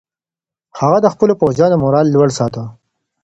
هغه د خپلو پوځیانو مورال لوړ ساته.